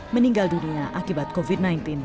meninggal dunia akibat covid sembilan belas